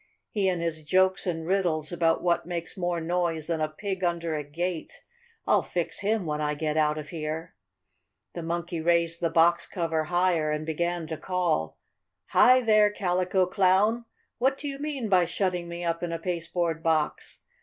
He and his jokes and riddles about what makes more noise than a pig under a gate! I'll fix him when I get out of here!" The Monkey raised the box cover higher and began to call: "Hi there, Calico Clown! what do you mean by shutting me up in a pasteboard box?